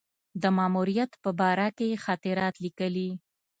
د ماموریت په باره کې یې خاطرات لیکلي.